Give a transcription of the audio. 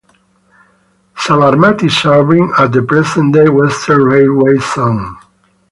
Sabarmati serving the present day Western Railway zone.